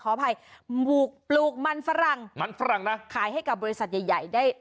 ขออภัยปลูกปลูกมันฝรั่งมันฝรั่งนะขายให้กับบริษัทใหญ่ใหญ่ได้